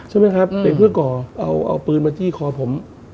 ใช่ไหมครับเด็กเพื่อก่อเอาปืนมาจี้คอผม